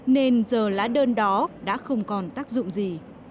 nên giờ lá đơn đó đã không còn tác dụng gì